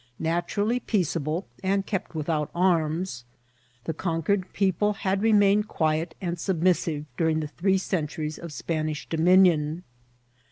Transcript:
Naturally peaceable, and kept without arms, the conquered people had remained quiet and submissiye during the three centuries of Span< ish dominion.